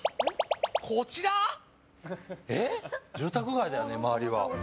住宅街だよね、周りは。